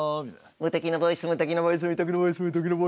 「無敵のボイス」。